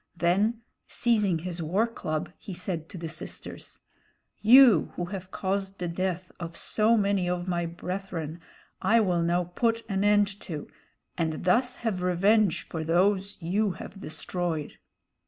Then seizing his war club, he said to the sisters: "You who have caused the death of so many of my brethren I will now put an end to, and thus have revenge for those you have destroyed."